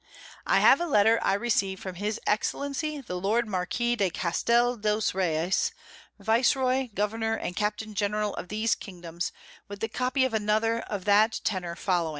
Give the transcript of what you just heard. _ "I Have a Letter I received from his Excellency the Lord Marquis de Castel dos Reys, Viceroy, Governour, and Captain General of these Kingdoms, with the Copy of another of the tenor following.